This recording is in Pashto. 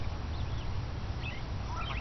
جلات خان یوه ډېره ښکلې ناره کړې ده.